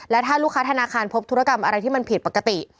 และถ้าลูกค้าธนาคารพบธุรกรรมอะไรที่มันผิดปกติ